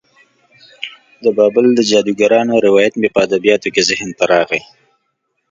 د بابل د جادوګرانو روایت مې په ادبیاتو کې ذهن ته راغی.